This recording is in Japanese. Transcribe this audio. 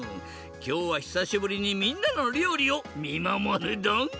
きょうはひさしぶりにみんなのりょうりをみまもるドン！